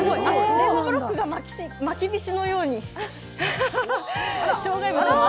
レゴブロックがまきびしのように。